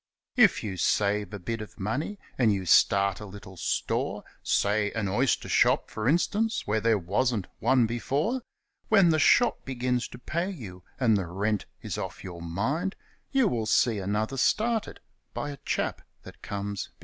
If you save a bit of money, and you start a little store Say, an oyster shop, for instance, where there wasn't one before When the shop begins to pay you, and the rent is ofi your mind, You will see another started by a chap that comes behind.